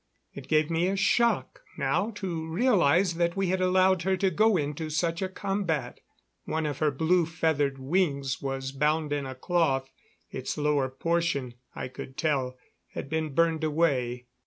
It gave me a shock now to realize that we had allowed her to go into such a combat. One of her blue feathered wings was bound in a cloth. Its lower portion, I could tell, had been burned away.